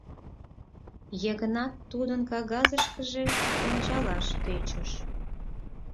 — Йыгнат тудын кагазышкыже ончалаш тӧчыш.